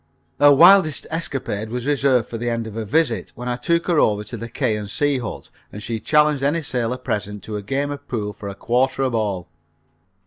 Her wildest escapade was reserved for the end of her visit, when I took her over to the K. of C. hut, and she challenged any sailor present to a game of pool for a quarter a ball.